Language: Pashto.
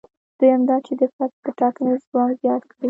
دویم دا چې د فرد د ټاکنې ځواک زیات کړي.